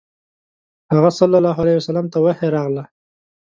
هغه ﷺ ته وحی راغله.